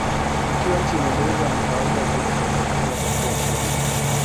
Ikiwa nchi imeendelezwa ni kawaida zaidi kwa uchafuzi wake kuwa mkubwa